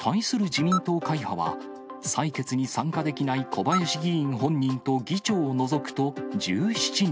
自民党会派は、採決に参加できない小林議員本人と議長を除くと１７人。